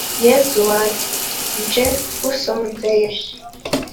yezu wanjye nje ngusonzeye